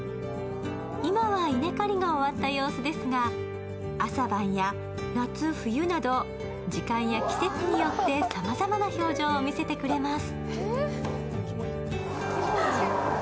今は稲刈りが終わった様子ですが、朝晩や夏冬など時間や季節によってさまざまな表情を見せてくれます。